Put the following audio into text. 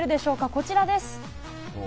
こちらです。